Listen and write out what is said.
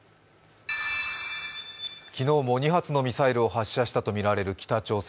昨日も２発のミサイルを発射したとみられる北朝鮮。